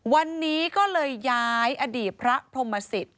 วันนี้ก็เลยย้ายอดีตพระพรมศิษฐ